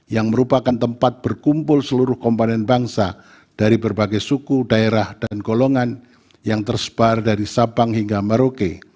yang merupakan tempat berkumpul seluruh komponen bangsa dari berbagai suku daerah dan golongan yang tersebar dari sabang hingga merauke